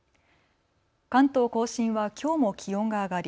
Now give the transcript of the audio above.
関東甲信はきょうも気温が上がり